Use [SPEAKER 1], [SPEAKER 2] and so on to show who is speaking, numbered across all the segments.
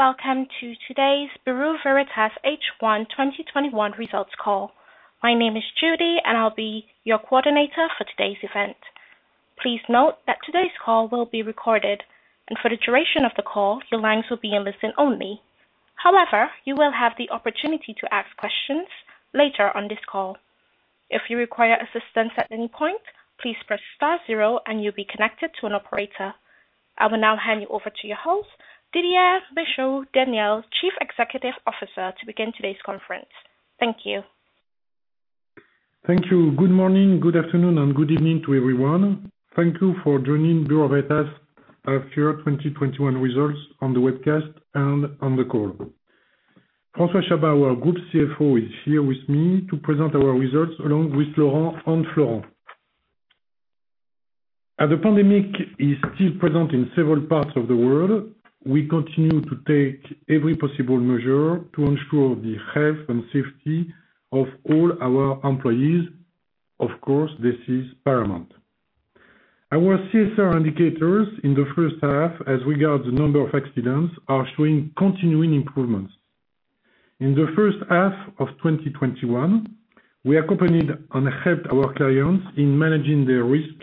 [SPEAKER 1] Welcome to today's Bureau Veritas H1 2021 results call. My name is Judy, and I'll be your coordinator for today's event. Please note that today's call will be recorded, and for the duration of the call, your lines will be in listen only. However, you will have the opportunity to ask questions later on this call. If you require assistance at any point, please press star zero and you'll be connected to an operator. I will now hand you over to your host, Didier Michaud-Daniel, Chief Executive Officer, to begin today's conference. Thank you.
[SPEAKER 2] Thank you. Good morning, good afternoon, and good evening to everyone. Thank you for joining Bureau Veritas' H1 2021 results on the webcast and on the call. François Chabas, our group CFO, is here with me to present our results, along with Laurent and Florent. As the pandemic is still present in several parts of the world, we continue to take every possible measure to ensure the health and safety of all our employees. Of course, this is paramount. Our CSR indicators in the H1 as regard to the number of accidents are showing continuing improvements. In the H1 of 2021, we accompanied and helped our clients in managing their risk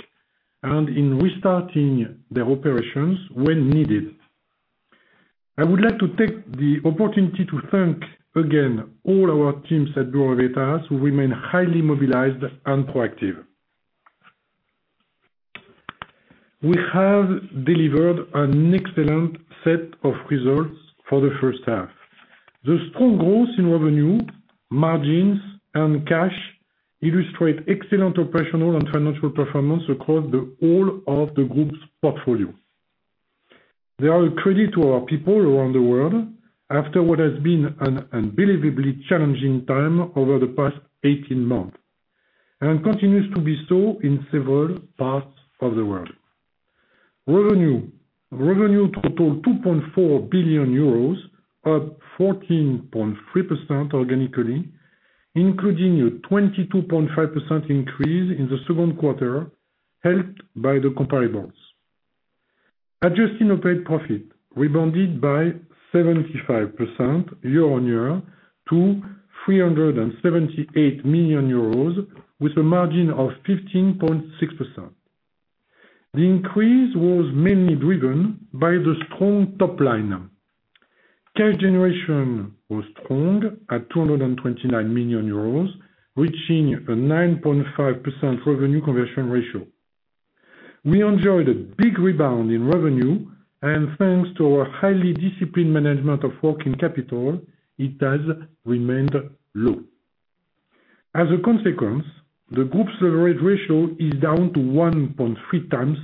[SPEAKER 2] and in restarting their operations when needed. I would like to take the opportunity to thank again all our teams at Bureau Veritas who remain highly mobilized and proactive. We have delivered an excellent set of results for the H1. The strong growth in revenue, margins, and cash illustrate excellent operational and financial performance across the whole of the group's portfolio. They are a credit to our people around the world after what has been an unbelievably challenging time over the past 18 months, and continues to be so in several parts of the world. Revenue totaled 2.4 billion euros, up 14.3% organically, including a 22.5% increase in the Q2, helped by the comparables. Adjusted operating profit rebounded by 75% year-on-year to 378 million euros, with a margin of 15.6%. The increase was mainly driven by the strong top line. Cash generation was strong at EUR 229 million, reaching a 9.5% revenue conversion ratio. We enjoyed a big rebound in revenue, thanks to our highly disciplined management of working capital, it has remained low. As a consequence, the group's leverage ratio is down to 1.3 times.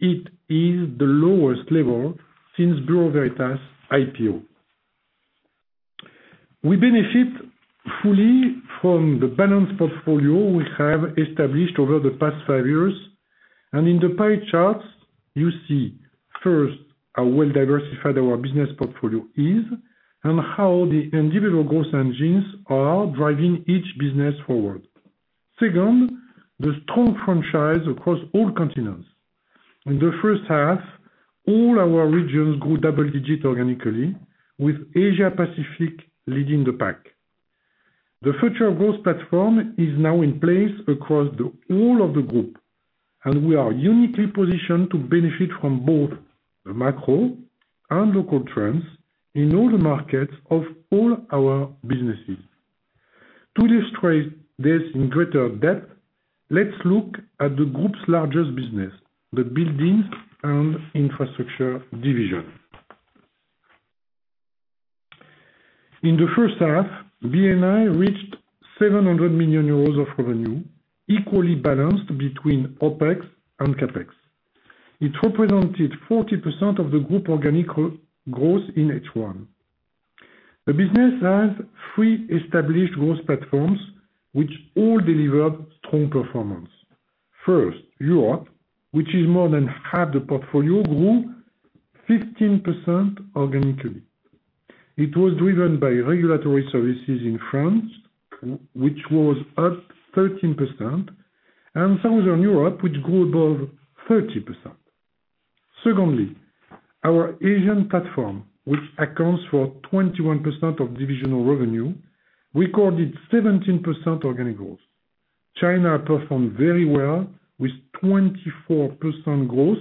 [SPEAKER 2] It is the lowest level since Bureau Veritas IPO. We benefit fully from the balanced portfolio we have established over the past five years, and in the pie charts you see first, how well diversified our business portfolio is and how the individual growth engines are driving each business forward. Second, the strong franchise across all continents. In the H1, all our regions grew double-digit organically, with Asia Pacific leading the pack. The future growth platform is now in place across the whole of the group, and we are uniquely positioned to benefit from both the macro and local trends in all the markets of all our businesses. To illustrate this in greater depth, let's look at the group's largest business, the Buildings & Infrastructure division. In the H1, B&I reached 700 million euros of revenue, equally balanced between OpEx and CapEx. It represented 40% of the group organic growth in H1. The business has three established growth platforms, which all delivered strong performance. First, Europe, which is more than half the portfolio, grew 15% organically. It was driven by regulatory services in France, which was up 13%, and Southern Europe, which grew above 30%. Secondly, our Asian platform, which accounts for 21% of divisional revenue, recorded 17% organic growth. China performed very well with 24% growth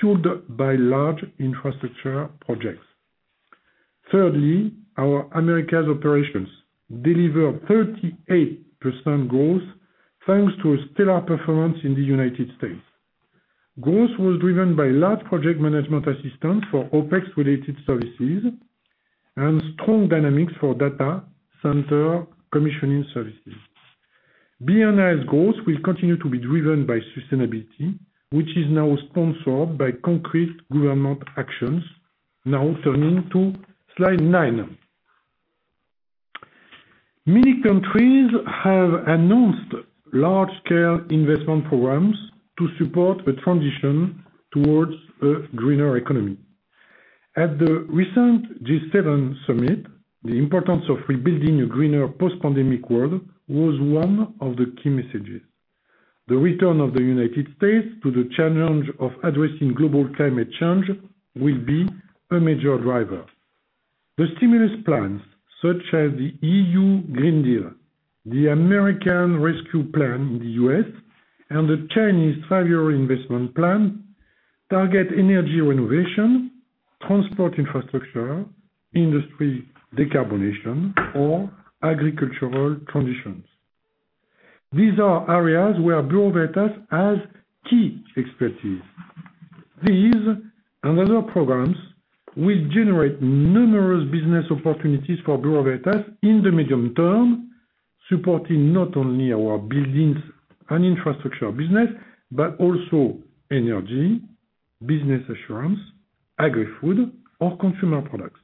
[SPEAKER 2] fueled by large infrastructure projects. Thirdly, our Americas operations delivered 38% growth thanks to a stellar performance in the U.S. Growth was driven by large project management assistance for OpEx related services and strong dynamics for data center commissioning services. B&I's growth will continue to be driven by sustainability, which is now sponsored by concrete government actions. Now turning to slide nine. Many countries have announced large scale investment programs to support the transition towards a greener economy. At the recent G7 Summit, the importance of rebuilding a greener post-pandemic world was one of the key messages. The return of the U.S. to the challenge of addressing global climate change will be a major driver. The stimulus plans such as the European Green Deal, the American Rescue Plan in the U.S., and the Chinese five-year investment plan, target energy renovation, transport infrastructure, industry decarbonation, or agricultural transitions. These are areas where Bureau Veritas has key expertise. These and other programs will generate numerous business opportunities for Bureau Veritas in the medium term, supporting not only our Buildings & Infrastructure business, but also Energy, business assurance, Agri-Food or Consumer Products.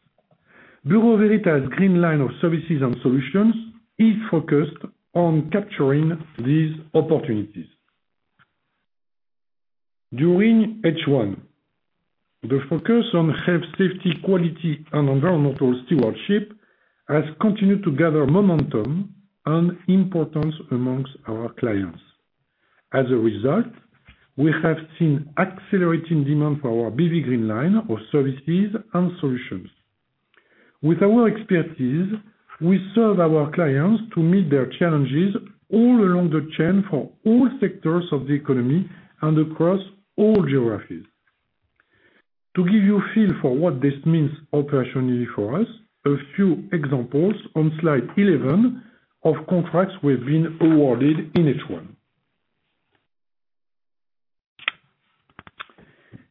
[SPEAKER 2] Bureau Veritas Green Line of services and solutions is focused on capturing these opportunities. During H1, the focus on health, safety, quality, and environmental stewardship has continued to gather momentum and importance among our clients. As a result, we have seen accelerating demand for our BV Green Line of services and solutions. With our expertise, we serve our clients to meet their challenges all along the chain for all sectors of the economy and across all geographies. To give you a feel for what this means operationally for us, a few examples on slide 11 of contracts we've been awarded in H1.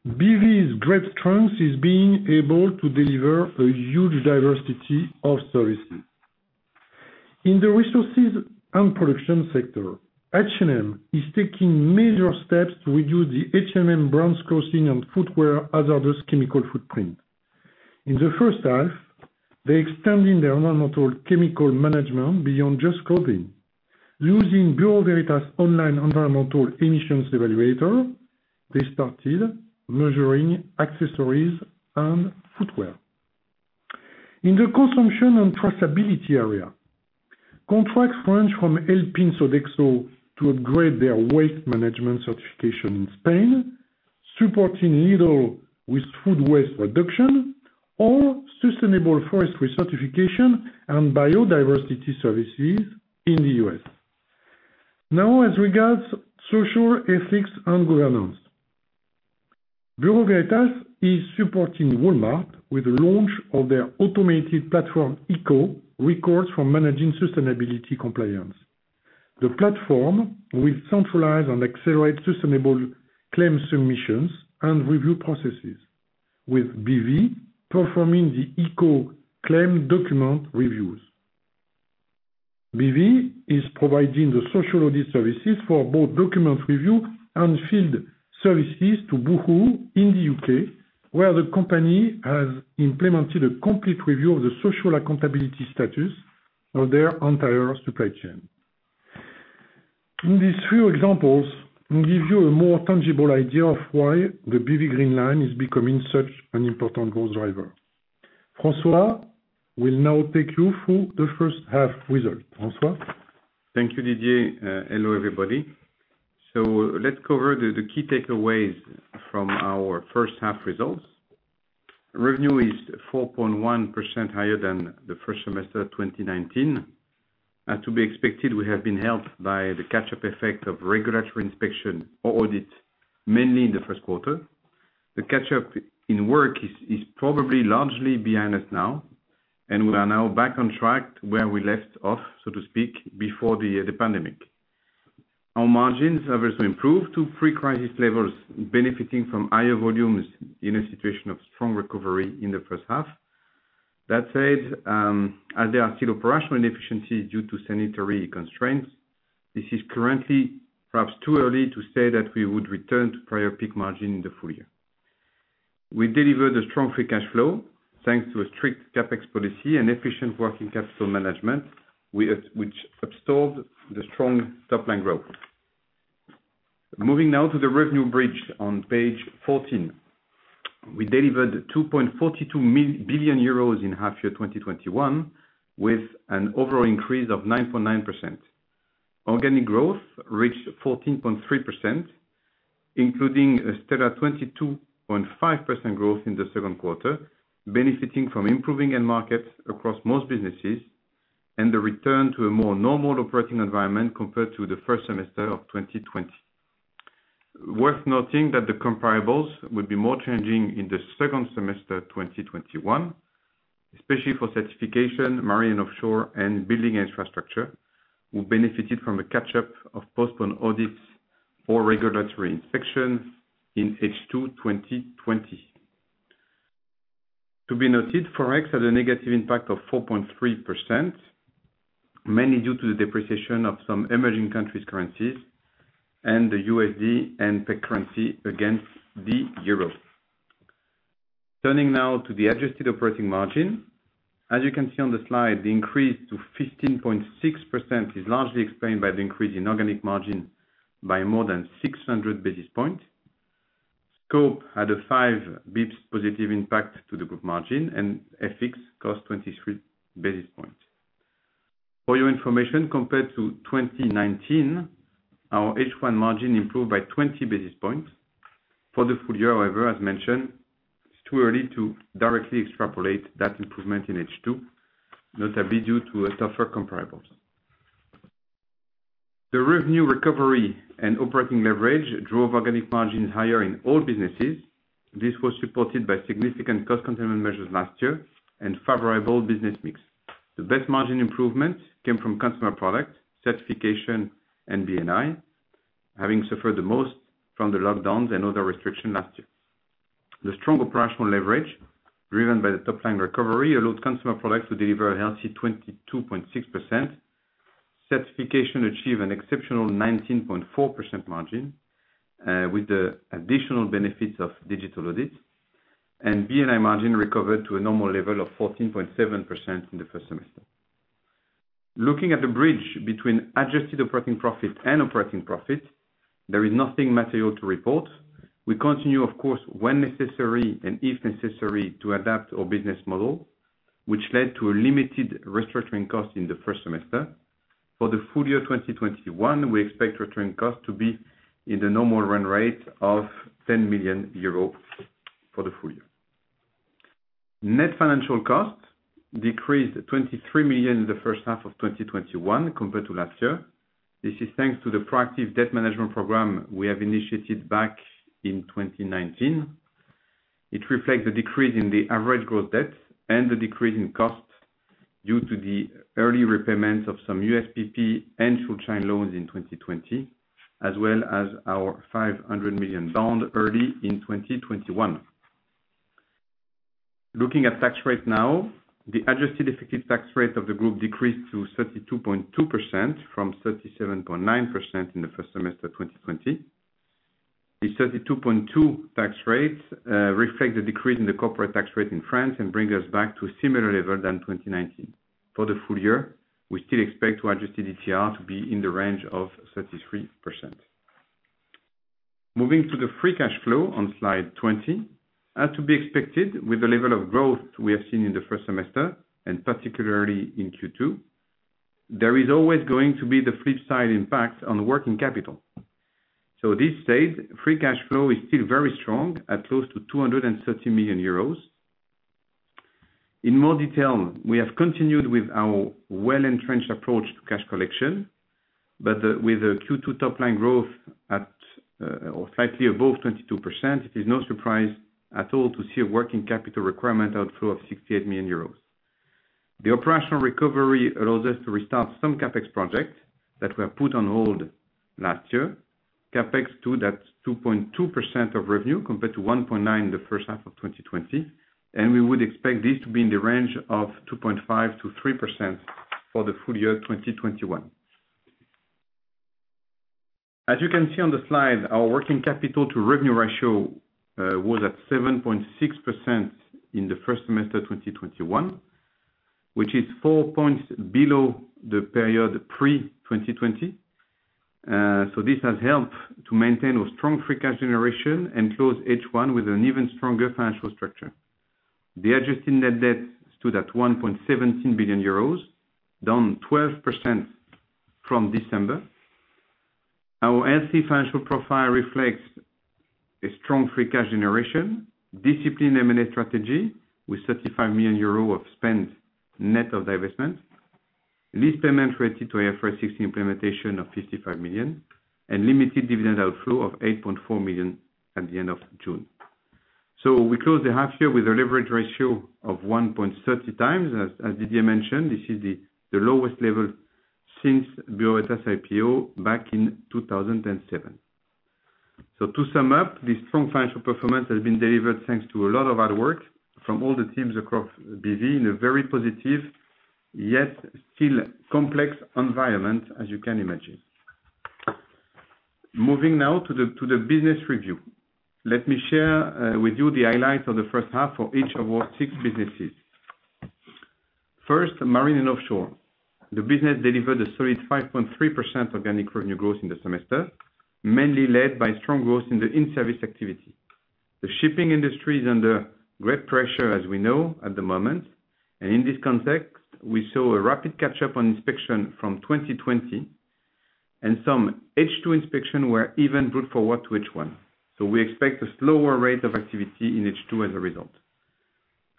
[SPEAKER 2] BV's great strength is being able to deliver a huge diversity of services. In the resources and production sector, H&M is taking major steps to reduce the H&M brands clothing and footwear hazardous chemical footprint. In the H1, they extended their environmental chemical management beyond just clothing. Using Bureau Veritas online environmental emissions evaluator, they started measuring accessories and footwear. In the consumption and traceability area, contracts range from helping Sodexo to upgrade their waste management certification in Spain, supporting Lidl with food waste reduction, or sustainable forestry certification and biodiversity services in the U.S. Now, as regards social ethics and governance, Bureau Veritas is supporting Walmart with the launch of their automated platform ECO Records for managing sustainability compliance. The platform will centralize and accelerate sustainable claim submissions and review processes, with BV performing the eco claim document reviews. BV is providing the social audit services for both document review and field services to Boohoo in the U.K., where the company has implemented a complete review of the social accountability status of their entire supply chain. These few examples will give you a more tangible idea of why the BV Green Line is becoming such an important growth driver. François will now take you through the H1 result. François?
[SPEAKER 3] Thank you, Didier. Hello, everybody. Let's cover the key takeaways from our H1 results. Revenue is 4.1% higher than the first semester 2019. As to be expected, we have been helped by the catch-up effect of regulatory inspection or audit, mainly in the Q1. The catch-up in work is probably largely behind us now, and we are now back on track where we left off, so to speak, before the pandemic. Our margins have also improved to pre-crisis levels, benefiting from higher volumes in a situation of strong recovery in the H1. That said, as there are still operational inefficiencies due to sanitary constraints, this is currently perhaps too early to say that we would return to prior peak margin in the full year. We delivered a strong free cash flow, thanks to a strict CapEx policy and efficient working capital management, which absorbed the strong top-line growth. Moving now to the revenue bridge on page 14. We delivered 2.42 billion euros in half year 2021, with an overall increase of 9.9%. Organic growth reached 14.3%, including a stellar 22.5% growth in the Q3, benefiting from improving end markets across most businesses, and the return to a more normal operating environment compared to the first semester of 2020. Worth noting that the comparables will be more challenging in the second semester 2021, especially for Certification, Marine & Offshore, and Buildings & Infrastructure, who benefited from a catch-up of postponed audits or regulatory inspections in H2 2020. To be noted, ForEx had a negative impact of 4.3%, mainly due to the depreciation of some emerging countries' currencies and the USD and peso currency against the euro. Turning now to the adjusted operating margin. As you can see on the slide, the increase to 15.6% is largely explained by the increase in organic margin by more than 600 basis points. Scope had a 5 bips positive impact to the group margin and FX cost 23 basis points. For your information, compared to 2019, our H1 margin improved by 20 basis points. For the full year, however, as mentioned, it's too early to directly extrapolate that improvement in H2, notably due to tougher comparables. The revenue recovery and operating leverage drove organic margins higher in all businesses. This was supported by significant cost containment measures last year and favorable business mix. The best margin improvement came from Consumer Products, Certification, and B&I, having suffered the most from the lockdowns and other restriction last year. The strong operational leverage driven by the top-line recovery allowed Consumer Products to deliver a healthy 22.6%. Certification achieve an exceptional 19.4% margin, with the additional benefits of digital audits, and B&I margin recovered to a normal level of 14.7% in the first semester. Looking at the bridge between adjusted operating profit and operating profit, there is nothing material to report. We continue, of course, when necessary and if necessary, to adapt our business model, which led to a limited restructuring cost in the first semester. For the full year 2021, we expect restructuring cost to be in the normal run rate of 10 million euros for the full year. Net financial cost decreased 23 million in the H1 of 2021 compared to last year. This is thanks to the proactive debt management program we have initiated back in 2019. It reflects the decrease in the average growth debt and the decrease in cost due to the early repayments of some USPP and Schuldschein loans in 2020, as well as our 500 million down early in 2021. Looking at tax rate now, the adjusted effective tax rate of the group decreased to 32.2% from 37.9% in the first semester 2020. The 32.2% tax rate reflects the decrease in the corporate tax rate in France and bring us back to a similar level than 2019. For the full year, we still expect our adjusted ETR to be in the range of 33%. Moving to the free cash flow on slide 20. As to be expected, with the level of growth we have seen in the first semester, and particularly in Q2, there is always going to be the flip side impact on working capital. This stage, free cash flow is still very strong at close to 230 million euros. In more detail, we have continued with our well-entrenched approach to cash collection, with a Q2 top-line growth at or slightly above 22%, it is no surprise at all to see a working capital requirement outflow of 68 million euros. The operational recovery allows us to restart some CapEx projects that were put on hold last year. CapEx stood at 2.2% of revenue compared to 1.9% in the H1 of 2020, we would expect this to be in the range of 2.5%-3% for the full year 2021. As you can see on the slide, our working capital to revenue ratio was at 7.6% in the first semester 2021, which is four points below the period pre-2020. This has helped to maintain a strong free cash generation and close H1 with an even stronger financial structure. The adjusted net debt stood at 1.17 billion euros, down 12% from December. Our healthy financial profile reflects a strong free cash generation, disciplined M&A strategy with 35 million euros of spend net of divestment, lease payments related to IFRS 16 implementation of 55 million, and limited dividend outflow of 8.4 million at the end of June. We close the half year with a leverage ratio of 1.30 times. As Didier mentioned, this is the lowest level since Bureau Veritas IPO back in 2007. To sum up, this strong financial performance has been delivered thanks to a lot of hard work from all the teams across BV in a very positive, yet still complex environment, as you can imagine. Moving now to the business review. Let me share with you the highlights of the H1 of each of our six businesses. First, Marine & Offshore. The business delivered a solid 5.3% organic revenue growth in the semester, mainly led by strong growth in the in-service activity. The shipping industry is under great pressure, as we know at the moment, and in this context, we saw a rapid catch-up on inspection from 2020 and some H2 inspection were even brought forward to H1. We expect a slower rate of activity in H2 as a result.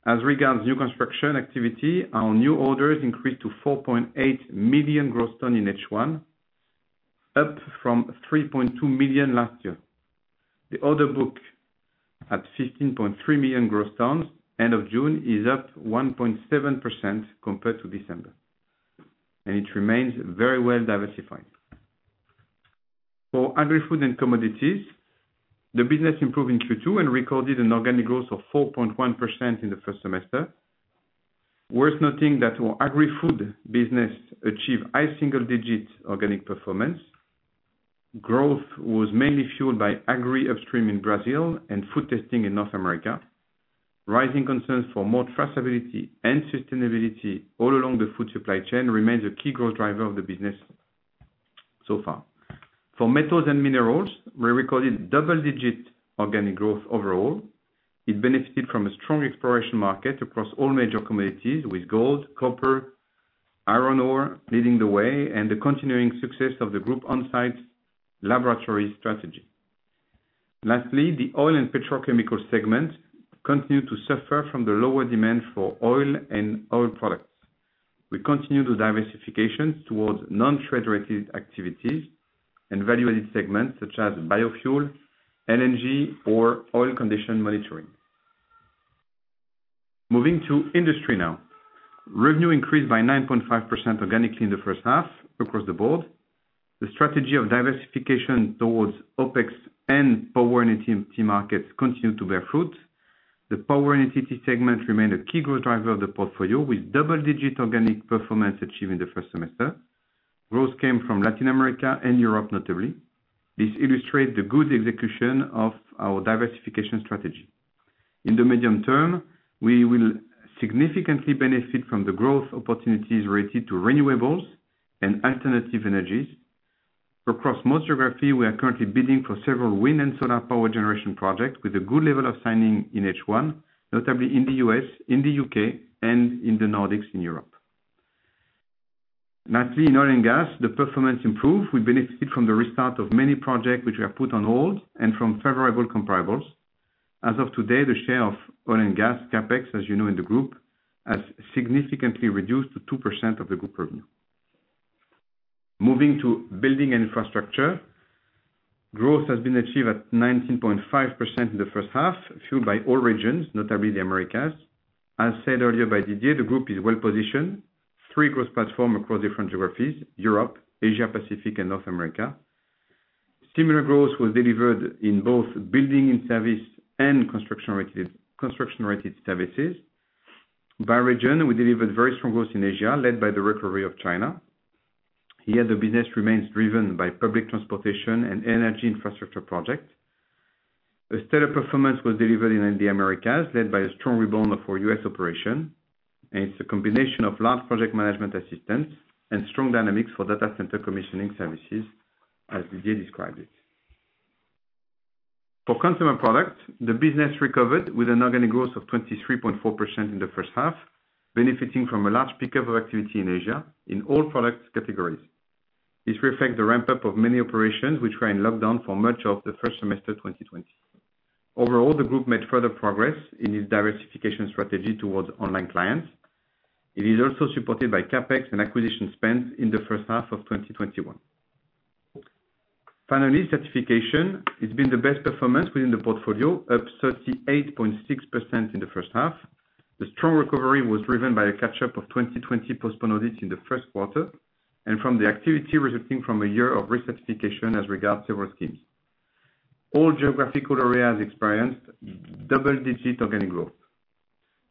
[SPEAKER 3] As regards new construction activity, our new orders increased to 4.8 million gross ton in H1, up from 3.2 million last year. The order book at 15.3 million gross tons end of June is up 1.7% compared to December, and it remains very well diversified. For Agri-Food & Commodities, the business improved in Q2 and recorded an organic growth of 4.1% in the first semester. Worth noting that our Agri-Food business achieved high single-digit organic performance. Growth was mainly fueled by agri upstream in Brazil and food testing in North America. Rising concerns for more traceability and sustainability all along the food supply chain remains a key growth driver of the business so far. For metals and minerals, we recorded double-digit organic growth overall. It benefited from a strong exploration market across all major commodities, with gold, copper, iron ore leading the way, and the continuing success of the group on-site laboratory strategy. Lastly, the oil and petrochemical segment continued to suffer from the lower demand for oil and oil products. We continue the diversifications towards non-trade-related activities and value-added segments such as biofuel, LNG or oil condition monitoring. Moving to industry now. Revenue increased by 9.5% organically in the H1 across the board. The strategy of diversification towards OpEx and power and utilities markets continued to bear fruit. The power utility segment remained a key growth driver of the portfolio, with double-digit organic performance achieved in the first semester. Growth came from Latin America and Europe notably. This illustrates the good execution of our diversification strategy. In the medium term, we will significantly benefit from the growth opportunities related to renewables and alternative energies. Across most geography, we are currently bidding for several wind and solar power generation projects with a good level of signing in H1, notably in the U.S., in the U.K., and in the Nordics in Europe. Lastly, in oil and gas, the performance improved. We benefited from the restart of many projects which were put on hold and from favorable comparables. As of today, the share of oil and gas CapEx, as you know in the group, has significantly reduced to 2% of the group revenue. Moving to Buildings & Infrastructure Growth has been achieved at 19.5% in the H1, fueled by all regions, notably the Americas. As said earlier by Didier, the group is well-positioned. Three growth platform across different geographies, Europe, Asia Pacific and North America. Similar growth was delivered in both building in-service and construction-related services. By region, we delivered very strong growth in Asia, led by the recovery of China. Here, the business remains driven by public transportation and energy infrastructure projects. A stellar performance was delivered in the Americas, led by a strong rebound of our U.S. operation, and it's a combination of large project management assistance and strong dynamics for data center commissioning services, as Didier described it. For Consumer Products, the business recovered with an organic growth of 23.4% in the H1, benefiting from a large pick-up of activity in Asia in all product categories. This reflects the ramp-up of many operations which were in lockdown for much of the first semester 2020. Overall, the group made further progress in its diversification strategy towards online clients. It is also supported by CapEx and acquisition spend in the H1 of 2021. Finally, Certification. It's been the best performance within the portfolio, up 38.6% in the H1. The strong recovery was driven by a catch-up of 2020 postponed audits in the Q1, and from the activity resulting from a year of recertification as regards several schemes. All geographical areas experienced double-digit organic growth.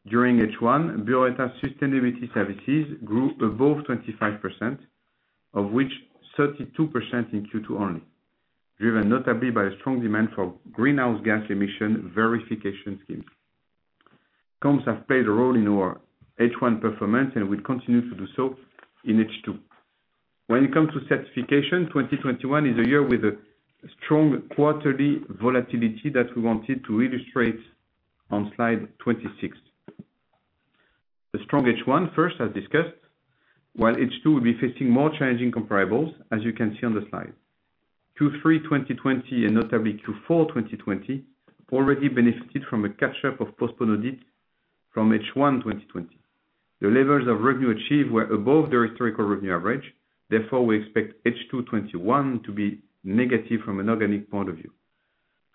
[SPEAKER 3] During H1, Bureau Veritas sustainability services grew above 25%, of which 32% in Q2 only, driven notably by a strong demand for greenhouse gas emission verification schemes. Comps have played a role in our H1 performance and will continue to do so in H2. When it comes to certification, 2021 is a year with a strong quarterly volatility that we wanted to illustrate on slide 26. The strong H1 first, as discussed, while H2 will be facing more challenging comparables, as you can see on the slide. Q3 2020 and notably Q4 2020, already benefited from a catch-up of postponed audits from H1 2020. The levels of revenue achieved were above the historical revenue average. Therefore, we expect H2 2021 to be negative from an organic point of view.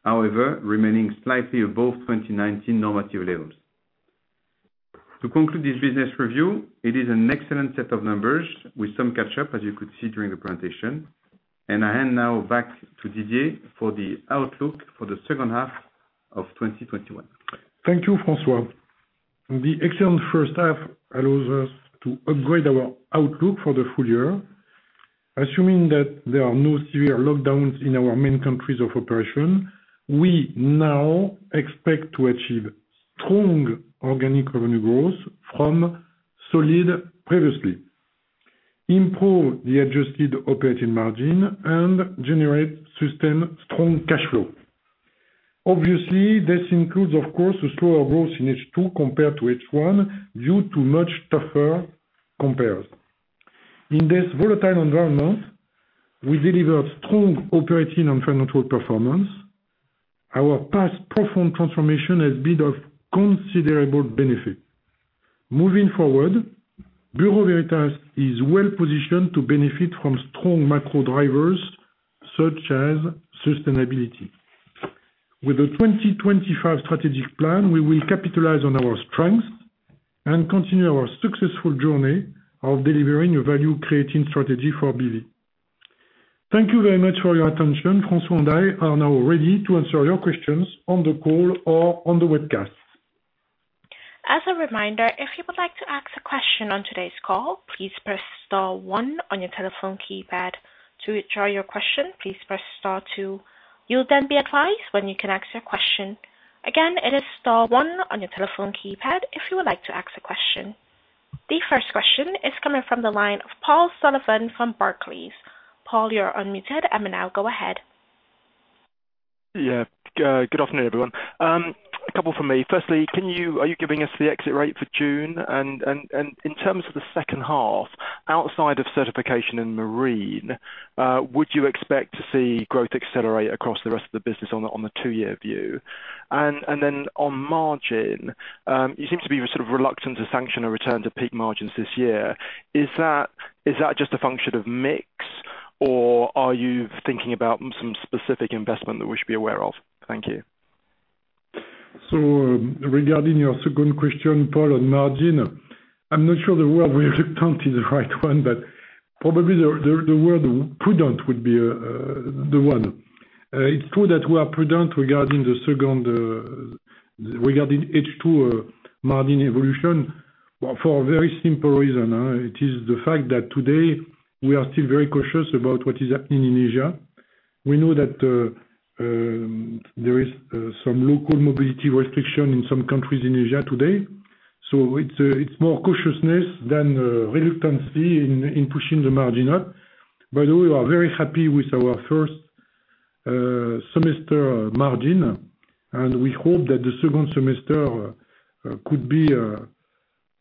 [SPEAKER 3] However, remaining slightly above 2019 normative levels. To conclude this business review, it is an excellent set of numbers with some catch-up, as you could see during the presentation. I hand now back to Didier for the outlook for the H2 of 2021.
[SPEAKER 2] Thank you, François. The excellent H1 allows us to upgrade our outlook for the full year. Assuming that there are no severe lockdowns in our main countries of operation, we now expect to achieve strong organic revenue growth from solid previously, improve the adjusted operating margin, and generate sustained strong cash flow. Obviously, this includes, of course, a slower growth in H2 compared to H1 due to much tougher compares. In this volatile environment, we delivered strong operating and financial performance. Our past profound transformation has been of considerable benefit. Moving forward, Bureau Veritas is well-positioned to benefit from strong macro drivers such as sustainability. With the 2025 strategic plan, we will capitalize on our strengths and continue our successful journey of delivering a value-creating strategy for BV. Thank you very much for your attention. François and I are now ready to answer your questions on the call or on the webcast.
[SPEAKER 1] As a reminder, if you would like to ask a question on today's call, please press star one on your telephone keypad. To withdraw your question, please press star two. You'll then be advised when you can ask your question. Again, it is star one on your telephone keypad if you would like to ask a question. The first question is coming from the line of Paul Sullivan from Barclays. Paul, you're unmuted and now go ahead.
[SPEAKER 4] Yeah. Good afternoon, everyone. A couple from me. Firstly, are you giving us the exit rate for June? In terms of the H2, outside of Certification and Marine, would you expect to see growth accelerate across the rest of the business on the two-year view? On margin, you seem to be sort of reluctant to sanction a return to peak margins this year. Is that just a function of mix, or are you thinking about some specific investment that we should be aware of? Thank you.
[SPEAKER 2] Regarding your second question, Paul, on margin. I am not sure the word reluctant is the right one, but probably the word prudent would be the one. It's true that we are prudent regarding H2 margin evolution for a very simple reason. It is the fact that today we are still very cautious about what is happening in Asia. We know that there is some local mobility restriction in some countries in Asia today. It's more cautiousness than reluctancy in pushing the margin up. By the way, we are very happy with our first semester margin, and we hope that the second semester could be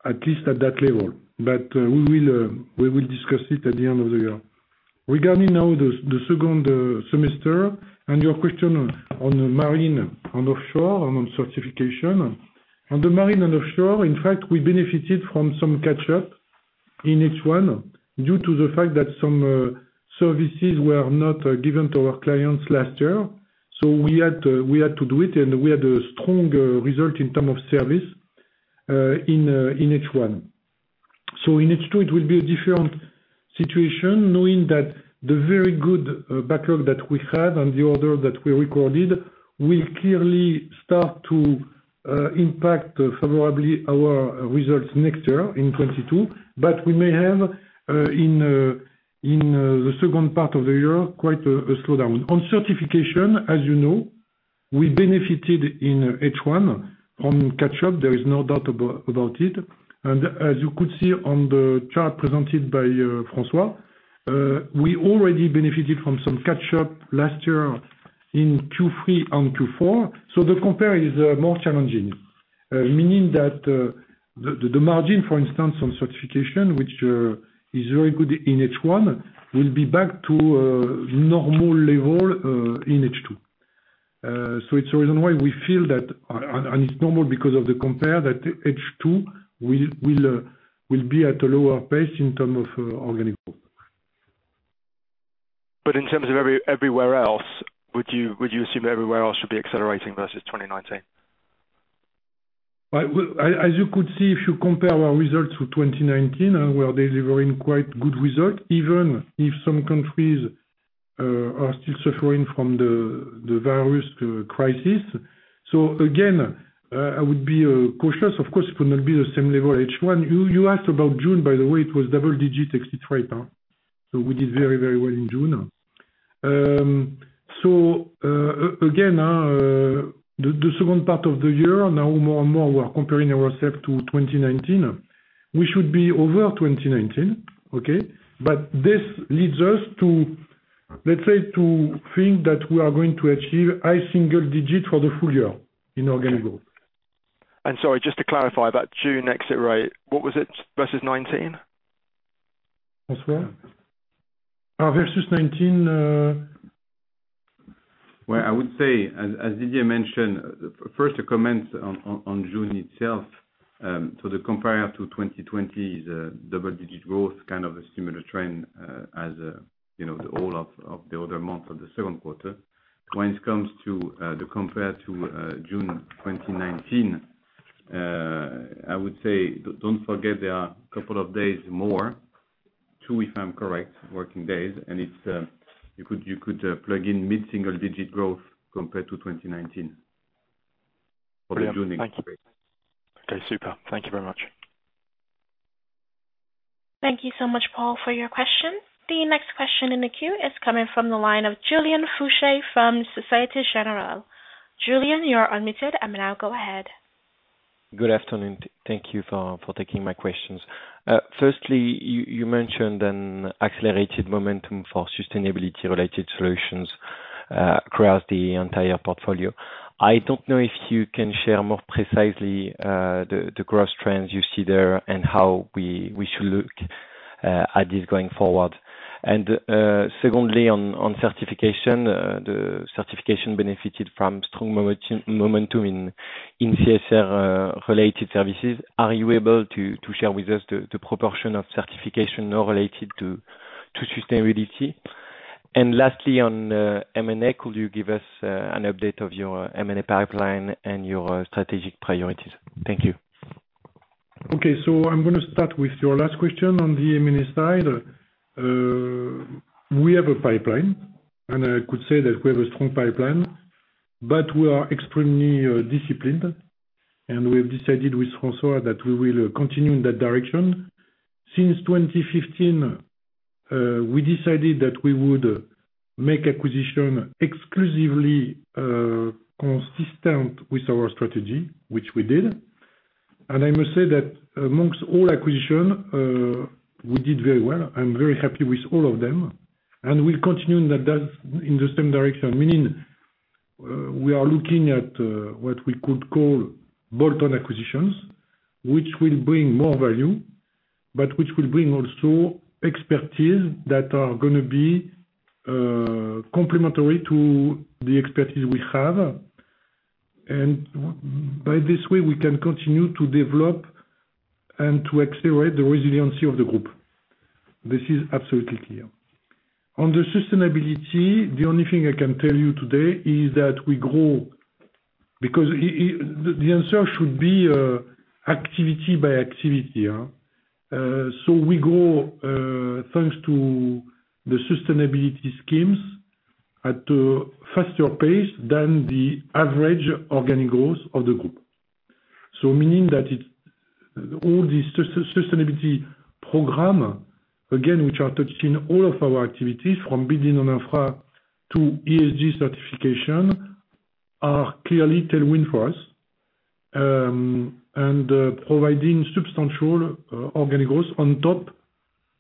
[SPEAKER 2] at least at that level. We will discuss it at the end of the year. Regarding now the second semester and your question on the Marine & Offshore, and on Certification. On the Marine & Offshore, in fact, we benefited from some catch-up in H1 due to the fact that some services were not given to our clients last year. We had to do it, and we had a strong result in term of service, in H1. In H2 it will be a different situation, knowing that the very good backlog that we had and the order that we recorded will clearly start to impact favorably our results next year in 2022. We may have, in the second part of the year, quite a slowdown. On Certification, as you know, we benefited in H1 on catch-up, there is no doubt about it. As you could see on the chart presented by François, we already benefited from some catch-up last year in Q3 and Q4, the compare is more challenging. Meaning that, the margin, for instance, on Certification, which is very good in H1, will be back to a normal level, in H2. It's the reason why we feel that. It's normal because of the compare that H2 will be at a lower pace in term of organic growth.
[SPEAKER 4] In terms of everywhere else, would you assume everywhere else should be accelerating versus 2019?
[SPEAKER 2] As you could see, if you compare our results to 2019, we are delivering quite good results, even if some countries are still suffering from the virus crisis. Again, I would be cautious. Of course, it will not be the same level H1. You asked about June, by the way, it was double-digit exit rate. We did very well in June. Again, the second part of the year, now more and more we are comparing ourself to 2019. We should be over 2019. Okay? This leads us to, let's say, to think that we are going to achieve high single-digit for the full year in organic growth.
[SPEAKER 4] Sorry, just to clarify, that June exit rate, what was it versus 2019?
[SPEAKER 2] François? Versus 2019,
[SPEAKER 3] Well, I would say as Didier mentioned, first to comment on June itself. The compare to 2020 is a double-digit growth, kind of a similar trend as the whole of the other months of the Q3. When it comes to the compare to June 2019, I would say, don't forget there are a couple of days more, two, if I am correct, working days. You could plug in mid-single digit growth compared to 2019 for the June exit rate.
[SPEAKER 4] Brilliant. Thank you. Okay, super. Thank you very much.
[SPEAKER 1] Thank you so much, Paul, for your question. The next question in the queue is coming from the line of Julien Fouché from Société Générale. Julien, you are unmuted and now go ahead.
[SPEAKER 5] Good afternoon. Thank you for taking my questions. Firstly, you mentioned an accelerated momentum for sustainability-related solutions across the entire portfolio. I don't know if you can share more precisely, the growth trends you see there and how we should look at this going forward. Secondly on certification. The certification benefited from strong momentum in CSR-related services. Are you able to share with us the proportion of certification now related to sustainability? Lastly, on M&A, could you give us an update of your M&A pipeline and your strategic priorities? Thank you.
[SPEAKER 2] Okay, I'm going to start with your last question on the M&A side. We have a pipeline, and I could say that we have a strong pipeline, but we are extremely disciplined, and we have decided with François that we will continue in that direction. Since 2015, we decided that we would make acquisition exclusively consistent with our strategy, which we did. I must say that amongst all acquisition, we did very well. I'm very happy with all of them, and we'll continue in the same direction, meaning, we are looking at what we could call bolt-on acquisitions, which will bring more value, but which will bring also expertise that are going to be complementary to the expertise we have. By this way, we can continue to develop and to accelerate the resiliency of the group. This is absolutely clear. On the sustainability, the only thing I can tell you today is that we grow. The answer should be activity by activity. We grow thanks to the sustainability schemes at a faster pace than the average organic growth of the group. Meaning that all the sustainability program, again, which are touching all of our activities from building an infra to ESG certification, are clearly tailwind for us, and providing substantial organic growth on top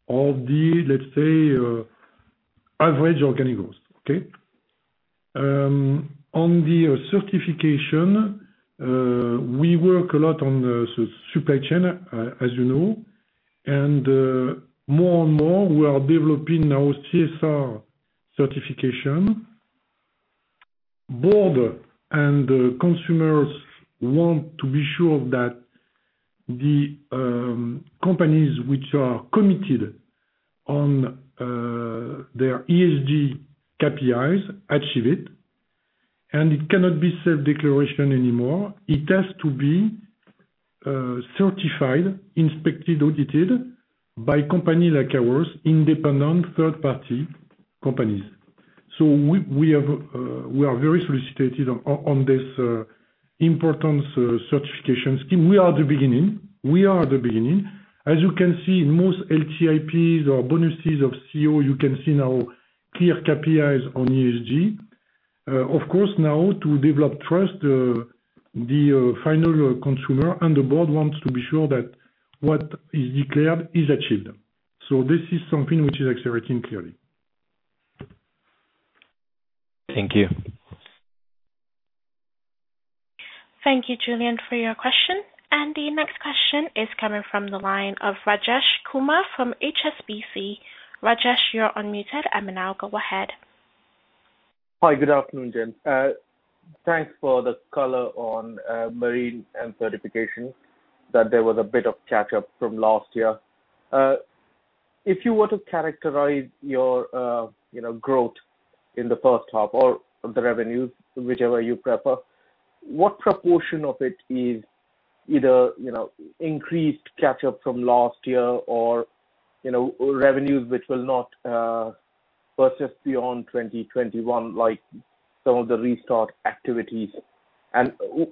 [SPEAKER 2] of the, let's say, average organic growth. Okay? On the Certification, we work a lot on the supply chain, as you know, and more and more we are developing now CSR certification. Board and consumers want to be sure that the companies which are committed on their ESG KPIs achieve it, and it cannot be self-declaration anymore. It has to be certified, inspected, audited by company like ours, independent third party companies. We are very solicited on this important certification scheme. We are at the beginning. As you can see, in most LTIPs or bonuses of CEO, you can see now clear KPIs on ESG. Of course, now to develop trust, the final consumer and the board wants to be sure that what is declared is achieved. This is something which is accelerating clearly.
[SPEAKER 5] Thank you.
[SPEAKER 1] Thank you, Julien, for your question. The next question is coming from the line of Rajesh Kumar from HSBC. Rajesh, you're unmuted and now go ahead.
[SPEAKER 6] Hi. Good afternoon, gents. Thanks for the color on marine and certification, that there was a bit of catch-up from last year. If you were to characterize your growth in the H1 or the revenues, whichever you prefer, what proportion of it is either increased catch-up from last year or revenues which will not persist beyond 2021, like some of the restart activities?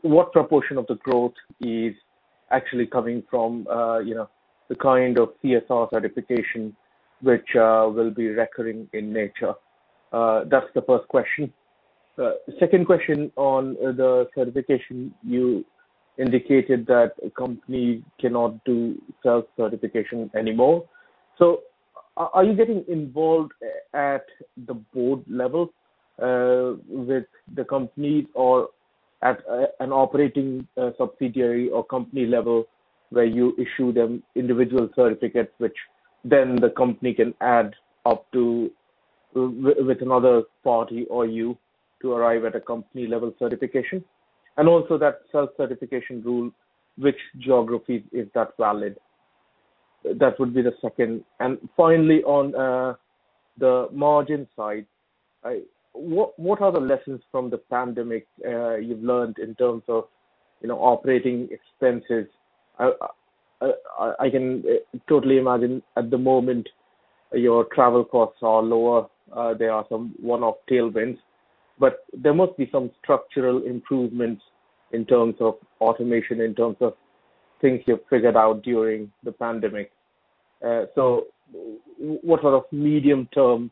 [SPEAKER 6] What proportion of the growth is actually coming from the kind of CSR certification which will be recurring in nature? That's the first question. Second question on the certification. You indicated that a company cannot do self-certification anymore. Are you getting involved at the board level, with the companies or at an operating subsidiary or company level where you issue them individual certificates, which then the company can add up with another party or you to arrive at a company-level certification? Also that self-certification rule, which geographies is that valid? That would be the second. Finally, on the margin side, what are the lessons from the pandemic you've learned in terms of operating expenses? I can totally imagine at the moment your travel costs are lower. There are some one-off tailwinds, but there must be some structural improvements in terms of automation, in terms of things you've figured out during the pandemic. What sort of medium-term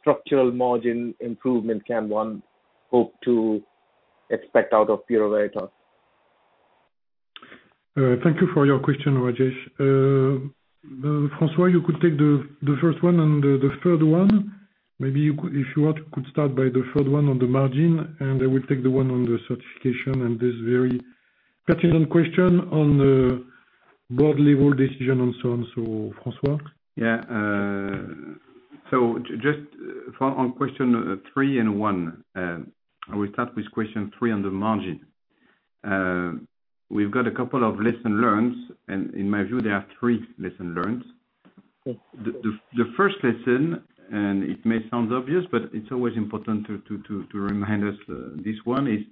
[SPEAKER 6] structural margin improvement can one hope to expect out of Bureau Veritas?
[SPEAKER 2] Thank you for your question, Rajesh. François, you could take the first one and the third one. Maybe if you want, could start by the third one on the margin, and I will take the one on the Certification and this very pertinent question on the board-level decision and so on. François?
[SPEAKER 3] Just on question three and one. I will start with question three on the margin. We've got a couple of lesson learned, and in my view, there are three lesson learned. The first lesson, and it may sound obvious, but it's always important to remind us, this one is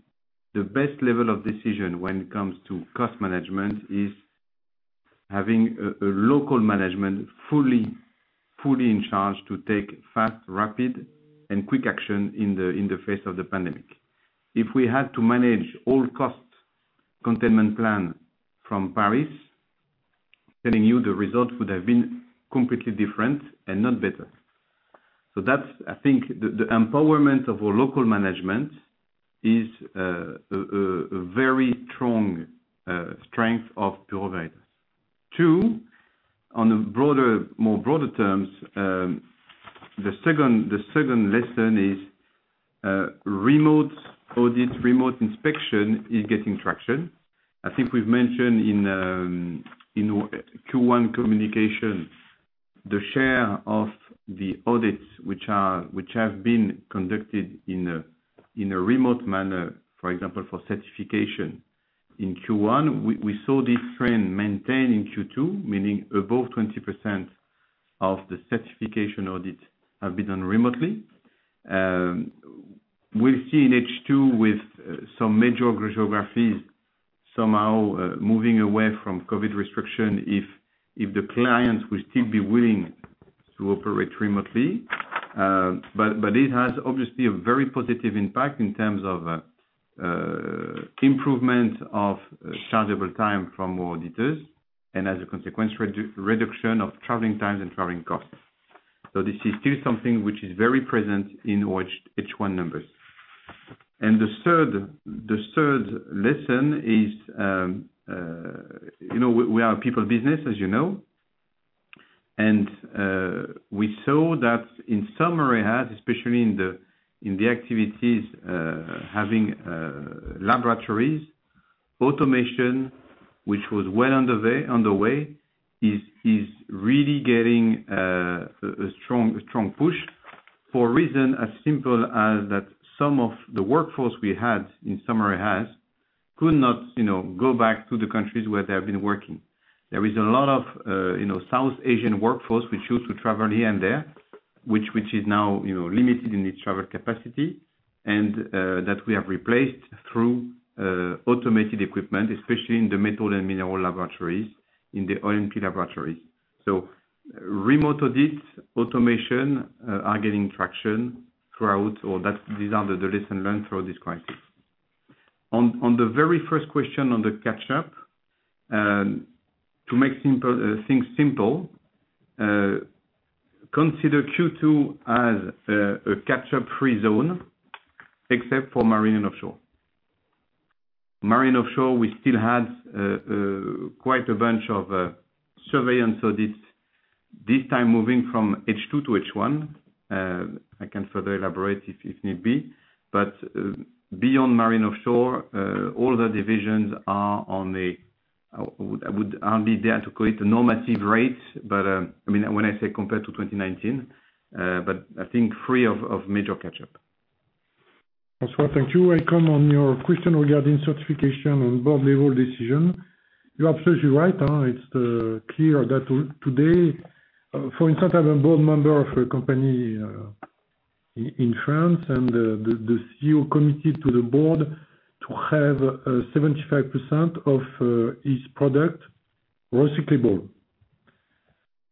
[SPEAKER 3] the best level of decision when it comes to cost management is having a local management fully in charge to take fast, rapid, and quick action in the face of the pandemic. If we had to manage all cost-containment plan from Paris, telling you the result would have been completely different and not better. That's, I think, the empowerment of our local management is a very strong strength of Bureau Veritas. Two, on more broader terms, the second lesson is remote audit, remote inspection is getting traction. I think we've mentioned in Q1 communication, the share of the audits which have been conducted in a remote manner, for example, for Certification in Q1. We saw this trend maintain in Q2, meaning above 20% of the Certification audits have been done remotely. We'll see in H2 with some major geographies somehow moving away from COVID restriction if the clients will still be willing to operate remotely. It has obviously a very positive impact in terms of improvement of chargeable time from our auditors, and as a consequence, reduction of traveling times and traveling costs. This is still something which is very present in H1 numbers. The third lesson is, we are a people business, as you know. We saw that in some areas, especially in the activities having laboratories, automation, which was well underway, is really getting a strong push for reason as simple as that some of the workforce we had in some areas could not go back to the countries where they have been working. There is a lot of South Asian workforce which used to travel here and there which is now limited in its travel capacity, and that we have replaced through automated equipment, especially in the metal and mineral laboratories, in the O&P laboratories. Remote audits, automation are getting traction throughout, or these are the lesson learned through this crisis. On the very first question on the catch-up, to make things simple, consider Q2 as a catch-up free zone except for Marine & Offshore. Marine & Offshore, we still had quite a bunch of survey and audits this time moving from H2-H1. I can further elaborate if need be. Beyond Marine & Offshore, all the divisions are on a-- I won't be there to quote a normative rate, when I say compared to 2019, but I think free of major catch-up.
[SPEAKER 2] François, thank you. I come on your question regarding certification on board level decision. You're absolutely right. It's clear that today, for instance, I'm a board member of a company in France, and the CEO committed to the board to have 75% of his product recyclable.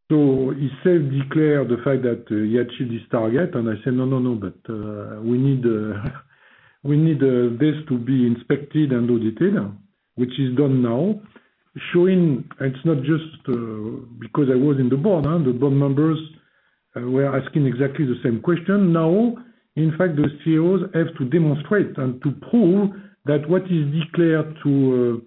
[SPEAKER 2] He self-declared the fact that he achieved his target, and I said, "No, but we need this to be inspected and audited," which is done now, showing it's not just because I was in the board. The board members were asking exactly the same question. In fact, the CEOs have to demonstrate and to prove that what is declared to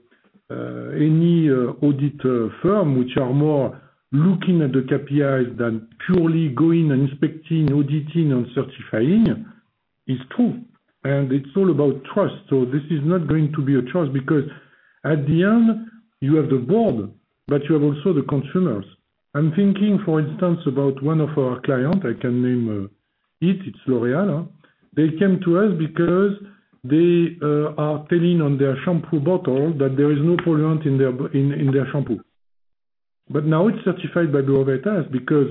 [SPEAKER 2] any audit firm, which are more looking at the KPIs than purely going and inspecting, auditing, and certifying, is true. It's all about trust. This is not going to be a trust because at the end, you have the board, but you have also the consumers. I'm thinking, for instance, about one of our client, I can name it's L'Oréal. They came to us because they are telling on their shampoo bottle that there is no pollutant in their shampoo. Now it's certified by Bureau Veritas because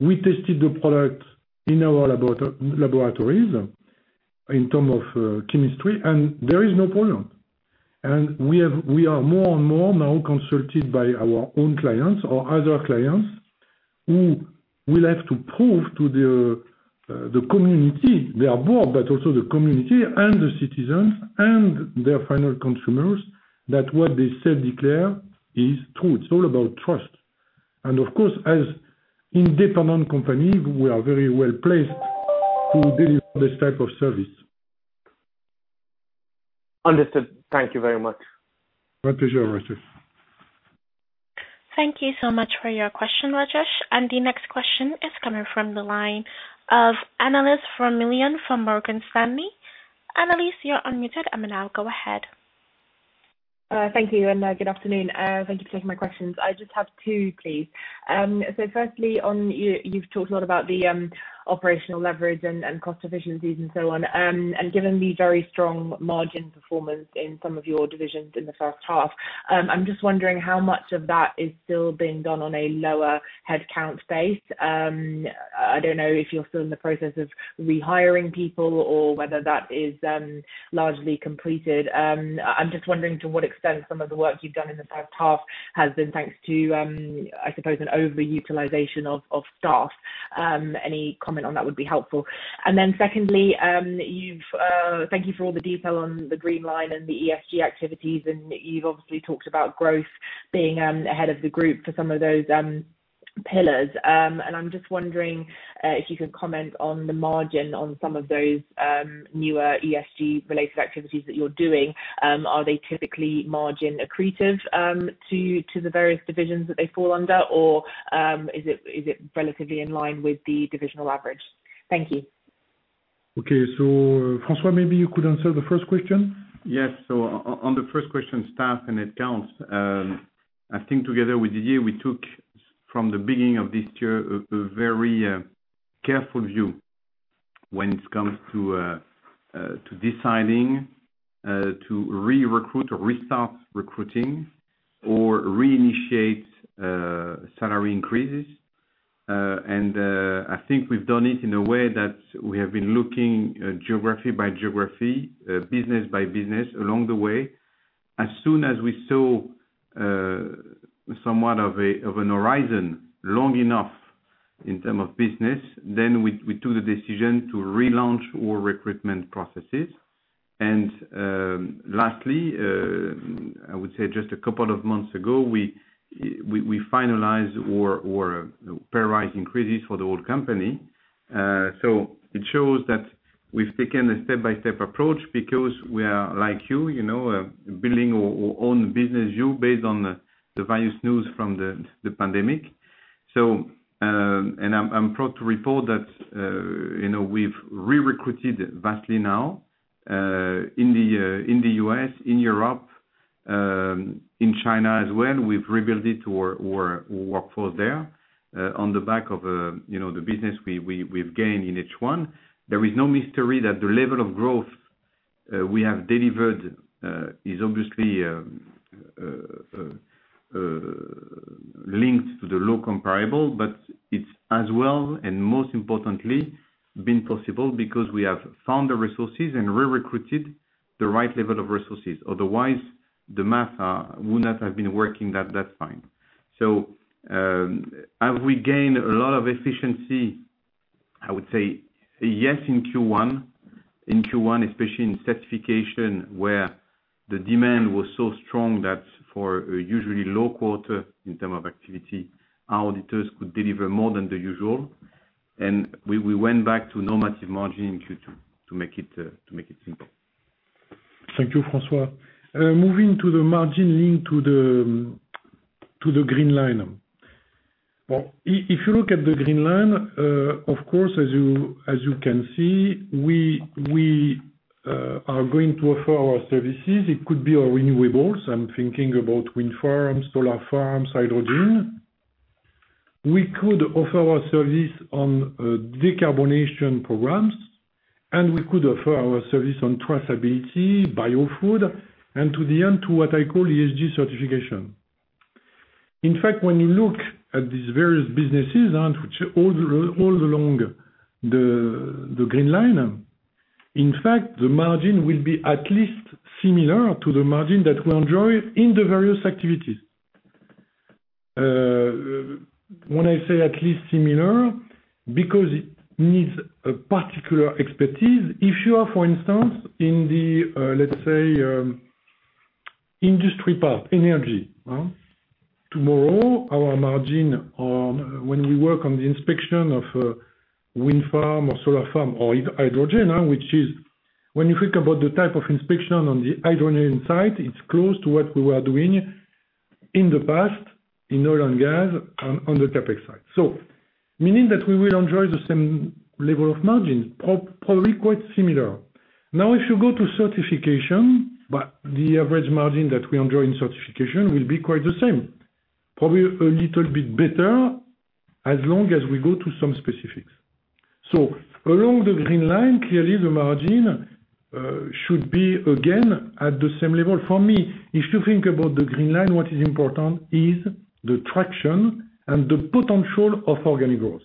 [SPEAKER 2] we tested the product in our laboratories in term of chemistry, and there is no problem. We are more and more now consulted by our own clients or other clients who will have to prove to the community, their board, but also the community and the citizens and their final consumers that what they self-declare is true. It's all about trust. Of course, as independent company, we are very well placed to deliver this type of service.
[SPEAKER 6] Understood. Thank you very much.
[SPEAKER 2] My pleasure, Rajesh.
[SPEAKER 1] Thank you so much for your question, Rajesh. The next question is coming from the line of Annelies Vermeulen from Morgan Stanley. Annelies, you're unmuted and now go ahead.
[SPEAKER 7] Thank you. Good afternoon. Thank you for taking my questions. I just have two, please. Firstly, you've talked a lot about the operational leverage and cost efficiencies and so on. Given the very strong margin performance in some of your divisions in the H1, I'm just wondering how much of that is still being done on a lower headcount base. I don't know if you're still in the process of rehiring people or whether that is largely completed. I'm just wondering to what extent some of the work you've done in the H1 has been thanks to, I suppose, an overutilization of staff. Any comment on that would be helpful. Secondly, thank you for all the detail on the BV Green Line and the ESG, and you've obviously talked about growth being ahead of the group for some of those pillars. I'm just wondering if you could comment on the margin on some of those newer ESG related activities that you're doing? Are they typically margin accretive to the various divisions that they fall under, or is it relatively in line with the divisional average? Thank you.
[SPEAKER 2] Okay. François, maybe you could answer the first question.
[SPEAKER 3] Yes. On the first question, staff and accounts, I think together with Didier, we took from the beginning of this year, a very careful view when it comes to deciding to re-recruit or restart recruiting or re-initiate salary increases. I think we've done it in a way that we have been looking geography by geography, business by business along the way. As soon as we saw somewhat of an horizon long enough in terms of business, then we took the decision to relaunch all recruitment processes. Lastly, I would say just a couple of months ago, we finalized or realized increases for the whole company. It shows that we've taken a step-by-step approach because we are, like you, building our own business view based on the various news from the pandemic. I'm proud to report that we've re-recruited vastly now, in the U.S., in Europe, in China as well. We've rebuilt our workforce there on the back of the business we've gained in each one. There is no mystery that the level of growth we have delivered is obviously linked to the low comparable, but it's as well, and most importantly, been possible because we have found the resources and re-recruited the right level of resources, otherwise the math would not have been working that fine. Have we gained a lot of efficiency? I would say yes in Q1. In Q1, especially in Certification, where the demand was so strong that for a usually low quarter in term of activity, our auditors could deliver more than the usual, and we went back to normative margin in Q2 to make it simple.
[SPEAKER 2] Thank you, François. Moving to the margin link to the Green Line. Well, if you look at the Green Line, of course, as you can see, we are going to offer our services. It could be our renewables. I'm thinking about wind farms, solar farms, hydrogen. We could offer our service on decarbonation programs, and we could offer our service on traceability, biofood, and to the end, to what I call ESG certification. In fact, when you look at these various businesses, and which are all along the Green Line, in fact, the margin will be at least similar to the margin that we enjoy in the various activities. When I say at least similar, because it needs a particular expertise. If you are, for instance, in the, let's say, industry part, Energy. Tomorrow, our margin on when we work on the inspection of wind farm or solar farm or hydrogen, which is when you think about the type of inspection on the hydrogen side, it's close to what we were doing in the past in oil and gas on the CapEx side. Meaning that we will enjoy the same level of margin, probably quite similar. Now, if you go to certification, the average margin that we enjoy in certification will be quite the same. Probably a little bit better as long as we go to some specifics. Along the green line, clearly the margin should be again at the same level. For me, if you think about the green line, what is important is the traction and the potential of organic growth.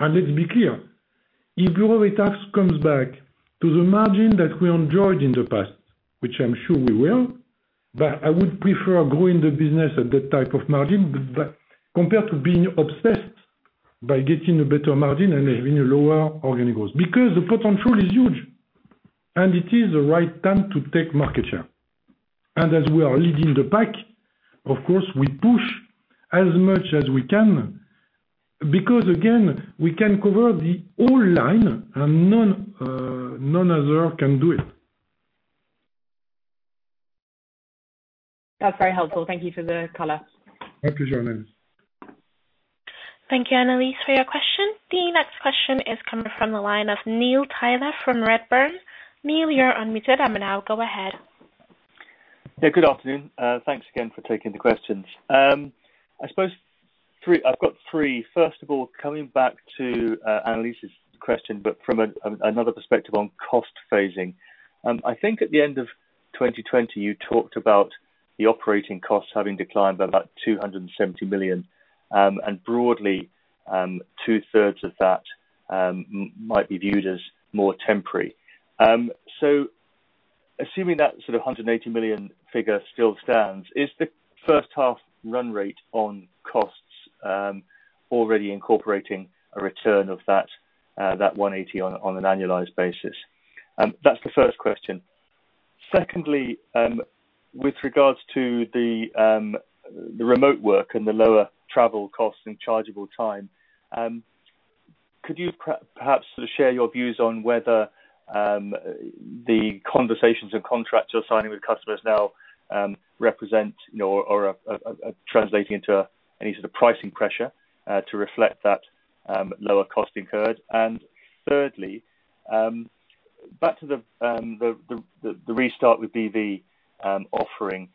[SPEAKER 2] Let's be clear, if Bureau Veritas comes back to the margin that we enjoyed in the past, which I'm sure we will, but I would prefer growing the business at that type of margin compared to being obsessed by getting a better margin and having a lower organic growth. The potential is huge, and it is the right time to take market share. As we are leading the pack, of course we push as much as we can because, again, we can cover the whole line and none other can do it.
[SPEAKER 7] That's very helpful. Thank you for the color.
[SPEAKER 2] Thank you, Joan.
[SPEAKER 1] Thank you, Annelies, for your question. The next question is coming from the line of Neil Tyler from Redburn. Neil, you are unmuted. Now, go ahead.
[SPEAKER 8] Yeah, good afternoon. Thanks again for taking the questions. I suppose I've got three. First of all, coming back to Annelies's question, but from another perspective on cost phasing. I think at the end of 2020, you talked about the operating costs having declined by about 270 million. Broadly, 2/3s of that might be viewed as more temporary. Assuming that sort of 180 million figure still stands, is the H1 run rate on costs already incorporating a return of that 180 on an annualized basis? That's the first question. Secondly, with regards to the remote work and the lower travel costs and chargeable time, could you perhaps share your views on whether the conversations and contracts you're signing with customers now represent or are translating into any sort of pricing pressure to reflect that lower cost incurred? Thirdly, back to the Restart Your Business with BV offering,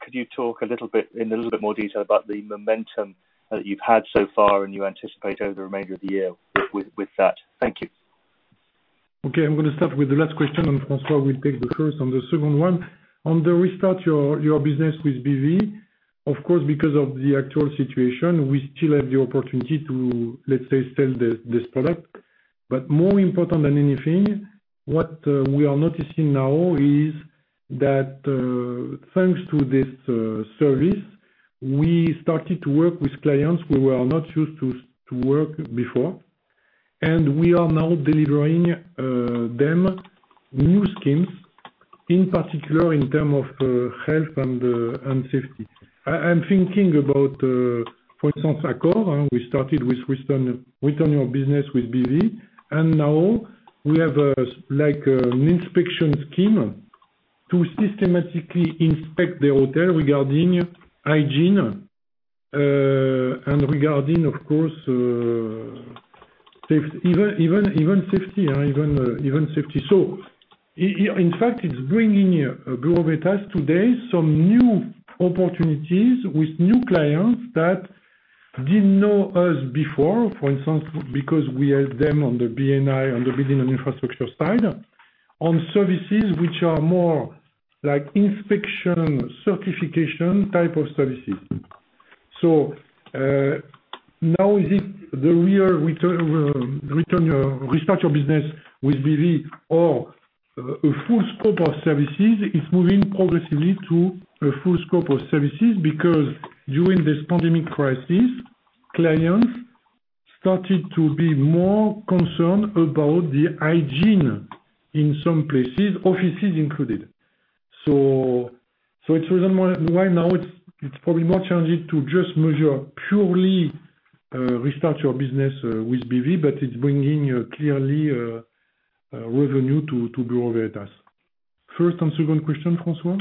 [SPEAKER 8] could you talk in a little bit more detail about the momentum that you've had so far and you anticipate over the remainder of the year with that? Thank you.
[SPEAKER 2] Okay. I'm going to start with the last question, and François will take the first and the second one. On the Restart Your Business with BV, of course, because of the actual situation, we still have the opportunity to, let's say, sell this product. More important than anything, what we are noticing now is that, thanks to this service, we started to work with clients we were not used to work before, and we are now delivering them new schemes, in particular, in terms of health and safety. I'm thinking about, for instance, Accor. We started with Restart Your Business with BV, and now we have an inspection scheme to systematically inspect the hotel regarding hygiene, and regarding, of course, even safety. In fact, it's bringing Bureau Veritas today some new opportunities with new clients that didn't know us before. For instance, because we had them on the B&I, on the building and infrastructure side, on services which are more like inspection certification type of services. Now is it the real Restart Your Business with BV or a full scope of services is moving progressively to a full scope of services because during this pandemic crisis, clients started to be more concerned about the hygiene in some places, offices included. It's reasonable right now, it's probably more challenging to just measure purely Restart Your Business with BV, but it's bringing clearly revenue to Bureau Veritas. First and second question, François.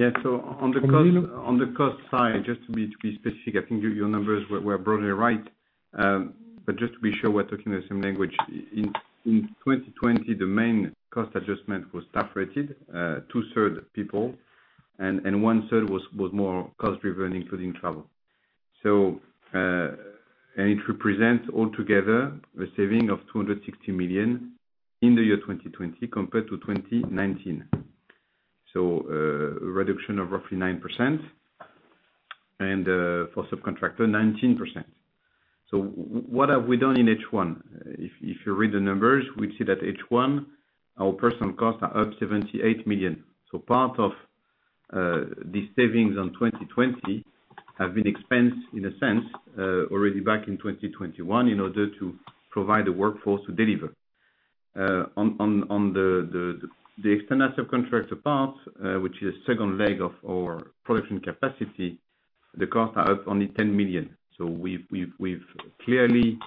[SPEAKER 3] On the cost side, just to be specific, I think your numbers were broadly right. Just to be sure we're talking the same language. In 2020, the main cost adjustment was staff related, 2/3 people, and 1/3 was more cost-driven, including travel. It represents altogether a saving of 260 million in the year 2020 compared to 2019. A reduction of roughly 9%, and for subcontractor, 19%. What have we done in H1? If you read the numbers, we see that H1, our personnel costs are up 78 million. Part of these savings on 2020 have been expensed, in a sense, already back in 2021 in order to provide a workforce to deliver. On the external contractor part, which is second leg of our production capacity, the costs are up only 10 million. We've clearly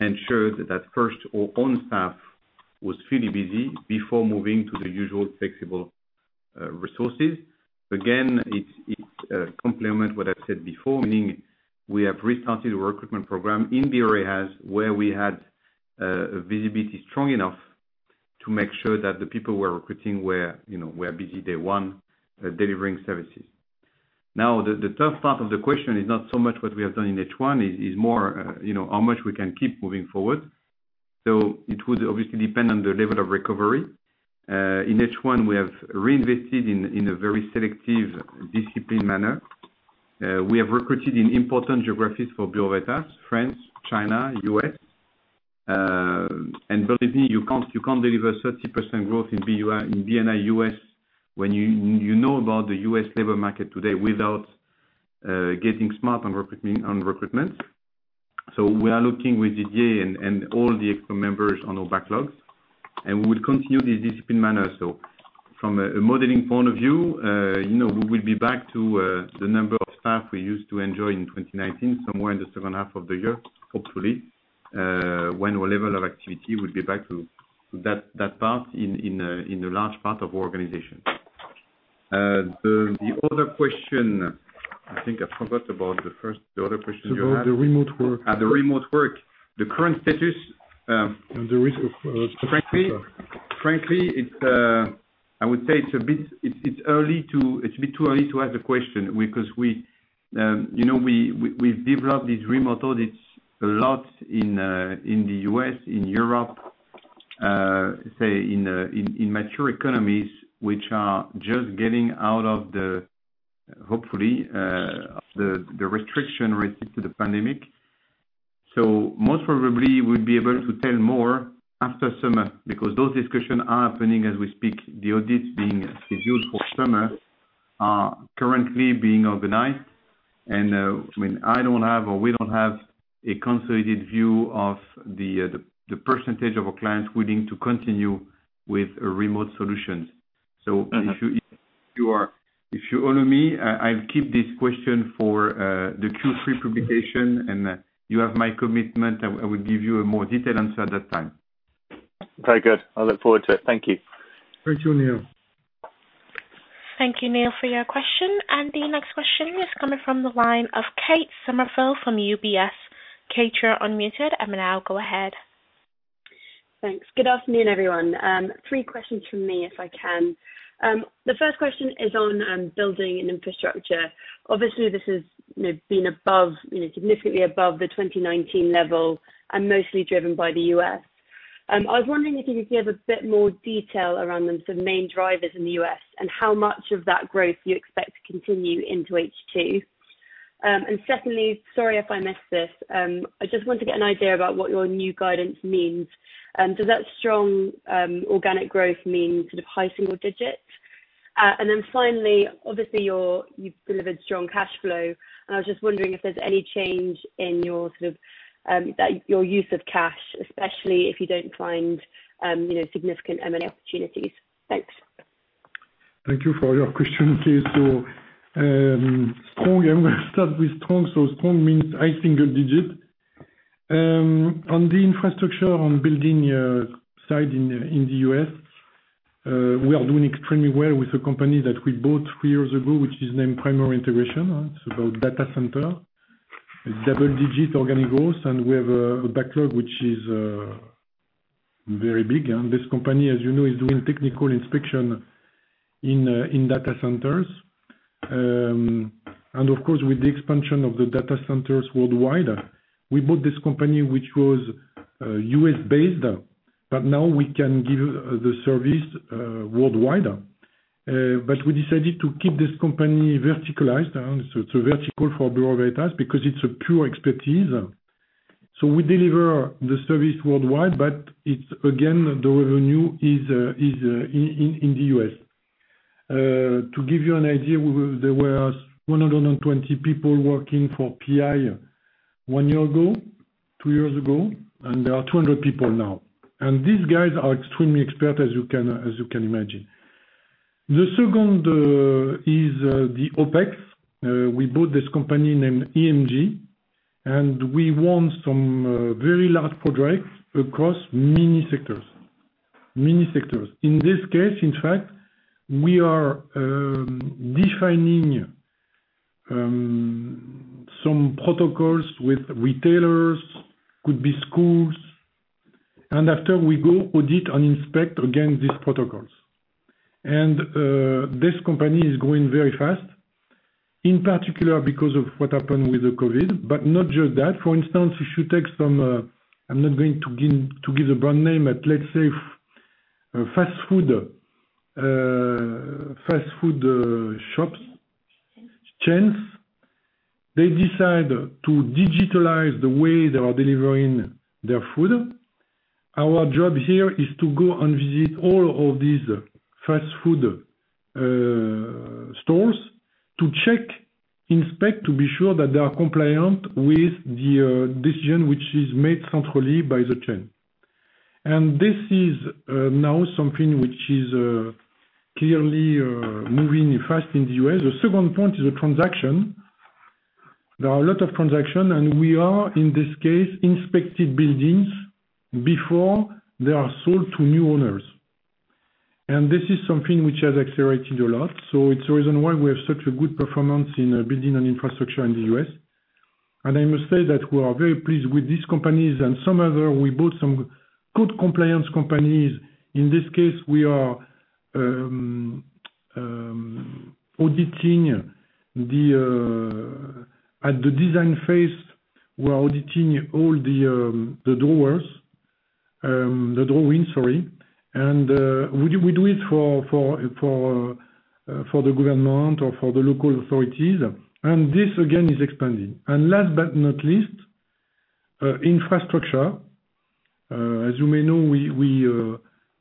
[SPEAKER 3] ensured that first our own staff was fully busy before moving to the usual flexible resources. Again, it complements what I said before, meaning we have restarted a recruitment program in the areas where we had visibility strong enough to make sure that the people we're recruiting were busy day 1 delivering services. The tough part of the question is not so much what we have done in H1, is more how much we can keep moving forward. It would obviously depend on the level of recovery. In H1, we have reinvested in a very selective, disciplined manner. We have recruited in important geographies for Bureau Veritas, France, China, U.S. Believe me, you can't deliver 30% growth in B&I U.S. when you know about the U.S. labor market today without getting smart on recruitment. We are looking with Didier and all the ExCo members on our backlogs, and we will continue this disciplined manner. From a modeling point of view, we will be back to the number of staff we used to enjoy in 2019 somewhere in the H2 of the year, hopefully, when our level of activity will be back to that part in a large part of our organization. The other question, I think I forgot about the first, the other question you had.
[SPEAKER 2] About the remote work.
[SPEAKER 3] The remote work.
[SPEAKER 2] The risk of.
[SPEAKER 3] Frankly, I would say it's a bit too early to ask the question because we've developed these remote audits a lot in the U.S., in Europe, say, in mature economies, which are just getting out of the, hopefully, the restriction related to the pandemic. Most probably we'll be able to tell more after summer because those discussions are happening as we speak. The audits being scheduled for summer are currently being organized. I don't have, or we don't have a consolidated view of the percentage of our clients willing to continue with remote solutions. If you allow me, I'll keep this question for the Q3 publication. You have my commitment. I will give you a more detailed answer at that time.
[SPEAKER 8] Very good. I look forward to it. Thank you.
[SPEAKER 2] Thank you, Neil.
[SPEAKER 1] Thank you, Neil, for your question. The next question is coming from the line of Kate Somerville from UBS. Kate, you are unmuted and now go ahead.
[SPEAKER 9] Thanks. Good afternoon, everyone. Three questions from me, if I can. The first question is on Buildings & Infrastructure. Obviously, this has been significantly above the 2019 level and mostly driven by the U.S. I was wondering if you could give a bit more detail around the sort of main drivers in the U.S., and how much of that growth you expect to continue into H2. Secondly, sorry if I missed this. I just want to get an idea about what your new guidance means. Does that strong organic growth mean sort of high single digits? Finally, obviously you've delivered strong cash flow, and I was just wondering if there's any change in your use of cash, especially if you don't find significant M&A opportunities. Thanks.
[SPEAKER 2] Thank you for your question, Kate. Strong, I'm going to start with strong. Strong means high single digit. On the infrastructure, on building side in the U.S., we are doing extremely well with a company that we bought two years ago, which is named Primary Integration. It's about data center. It's double digits organic growth, and we have a backlog, which is very big. This company, as you know, is doing technical inspection in data centers. Of course, with the expansion of the data centers worldwide, we bought this company, which was U.S.-based, but now we can give the service worldwide. We decided to keep this company verticalized. It's a vertical for Bureau Veritas, because it's a pure expertise. We deliver the service worldwide, but it's, again, the revenue is in the U.S. To give you an idea, there were 120 people working for PI one year ago, two years ago, and there are 200 people now. These guys are extremely expert, as you can imagine. The second is the OpEx. We bought this company named EMG, and we won some very large projects across many sectors. In this case, in fact, we are defining some protocols with retailers, could be schools. After we go audit and inspect, again, these protocols. This company is growing very fast, in particular because of what happened with the COVID, but not just that. For instance, if you take some, I'm not going to give the brand name, but let's say fast food shops.
[SPEAKER 9] Chains
[SPEAKER 2] chains. They decide to digitalize the way they are delivering their food. Our job here is to go and visit all of these fast food stores to check, inspect to be sure that they are compliant with the decision which is made centrally by the chain. This is now something which is clearly moving fast in the U.S. The second point is the transactions. There are a lot of transactions, and we are, in this case, inspecting buildings before they are sold to new owners. This is something which has accelerated a lot. It's the reason why we have such a good performance in Buildings & Infrastructure in the U.S. I must say that we are very pleased with these companies and some others. We bought some good compliance companies. In this case, we are auditing at the design phase. We're auditing all the drawings. We do it for the government or for the local authorities. This again is expanding. Last but not least, infrastructure. As you may know,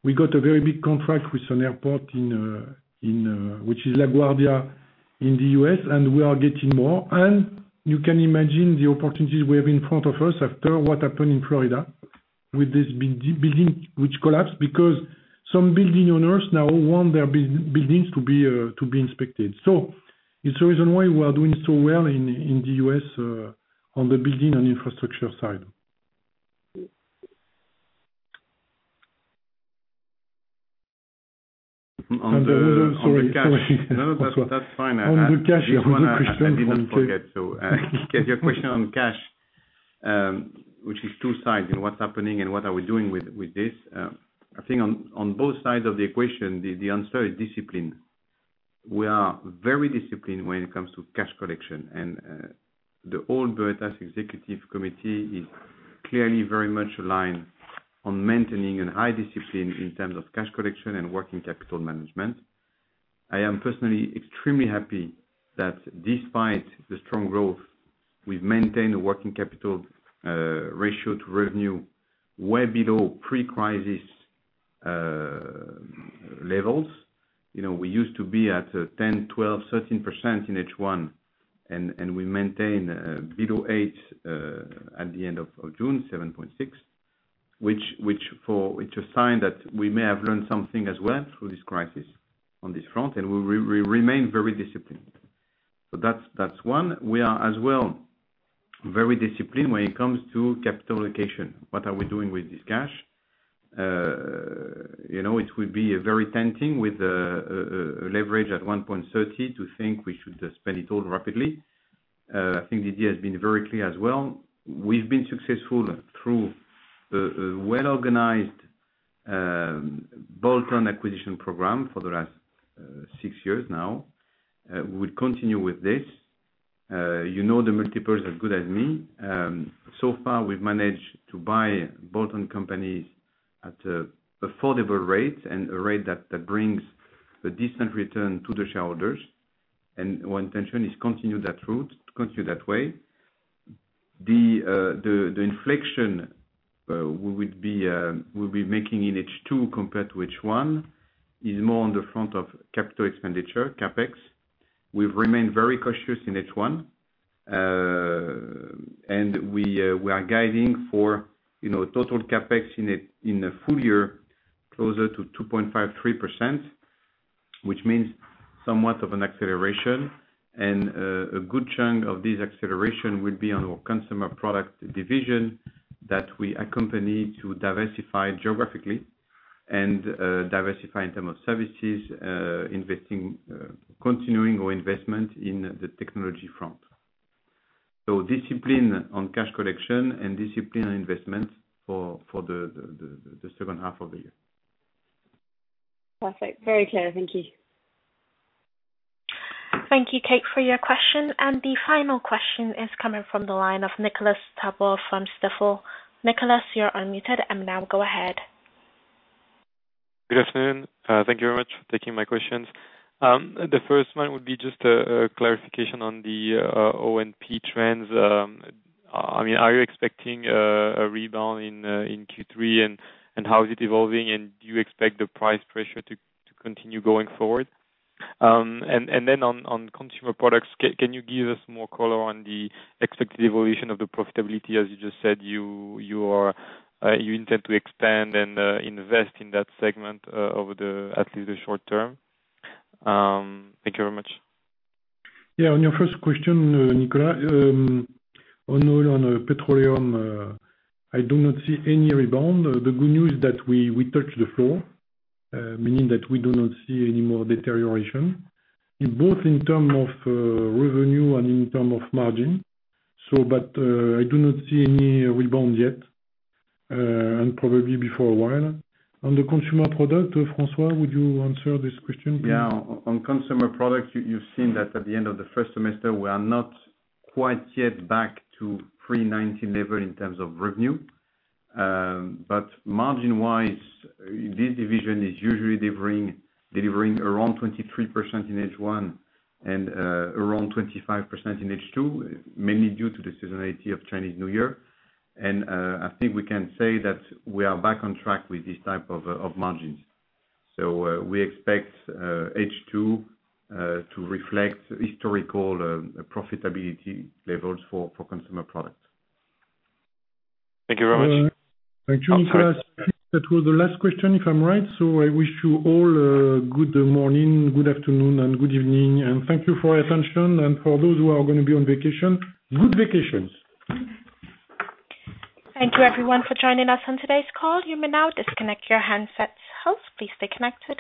[SPEAKER 2] we got a very big contract with an airport, which is LaGuardia in the U.S., and we are getting more. You can imagine the opportunities we have in front of us after what happened in Florida with this building which collapsed, because some building owners now want their buildings to be inspected. It's the reason why we are doing so well in the U.S. on the Buildings & Infrastructure side.
[SPEAKER 3] No, that's fine.
[SPEAKER 2] On the cash, I have a question.
[SPEAKER 3] This one I didn't forget. You have a question on cash, which is two sides in what's happening and what are we doing with this. I think on both sides of the equation, the answer is discipline. We are very disciplined when it comes to cash collection. The whole Veritas Executive Committee is clearly very much aligned on maintaining a high discipline in terms of cash collection and working capital management. I am personally extremely happy that despite the strong growth. We've maintained a working capital ratio to revenue way below pre-crisis levels. We used to be at 10%, 12%, 13% in H1, and we maintained below eight at the end of June, 7.6%, which is a sign that we may have learned something as well through this crisis on this front, and we remain very disciplined. That's one. We are as well very disciplined when it comes to capital allocation. What are we doing with this cash? It will be very tempting with leverage at 1.30 to think we should just spend it all rapidly. I think Didier has been very clear as well. We've been successful through a well-organized bolt-on acquisition program for the last six years now. We'll continue with this. You know the multiples are good as me. So far, we've managed to buy bolt-on companies at affordable rates and a rate that brings a decent return to the shareholders. Our intention is continue that route, continue that way. The inflection we'll be making in H2 compared to H1 is more on the front of capital expenditure, CapEx. We've remained very cautious in H1. We are guiding for total CapEx in a full year closer to 2.53%, which means somewhat of an acceleration. A good chunk of this acceleration will be on our Consumer Products division that we accompany to diversify geographically and diversify in terms of services, continuing our investment in the technology front. Discipline on cash collection and discipline on investment for the H2 of the year.
[SPEAKER 9] Perfect. Very clear. Thank you.
[SPEAKER 1] Thank you, Kate, for your question. The final question is coming from the line of Nicolas Tabor from Stifel. Nicolas, you're unmuted, and now go ahead.
[SPEAKER 10] Good afternoon. Thank you very much for taking my questions. The first one would be just a clarification on the O&P trends. Are you expecting a rebound in Q3, and how is it evolving, and do you expect the price pressure to continue going forward? On Consumer Products, can you give us more color on the expected evolution of the profitability? As you just said, you intend to expand and invest in that segment over at least the short term. Thank you very much.
[SPEAKER 2] Yeah, on your first question, Nicolas, on petroleum, I do not see any rebound. The good news that we touch the floor, meaning that we do not see any more deterioration, both in term of revenue and in term of margin. I do not see any rebound yet, and probably before a while. On the Consumer Product, François, would you answer this question, please?
[SPEAKER 3] Yeah. On Consumer Products, you've seen that at the end of the first semester, we are not quite yet back to pre-2019 level in terms of revenue. Margin-wise, this division is usually delivering around 23% in H1 and around 25% in H2, mainly due to the seasonality of Chinese New Year. I think we can say that we are back on track with this type of margins. We expect H2 to reflect historical profitability levels for Consumer Products.
[SPEAKER 10] Thank you very much.
[SPEAKER 2] Thank you, Nicholas. That was the last question, if I'm right. I wish you all a good morning, good afternoon, and good evening, and thank you for your attention. For those who are going to be on vacation, good vacations.
[SPEAKER 1] Thank you everyone for joining us on today's call. You may now disconnect your handsets. Host, please stay connected.